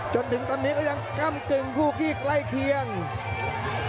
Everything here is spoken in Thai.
จนถึงตอนนี้ก็ยังก้ำกึ่งคู่ขี้ใกล้เคียง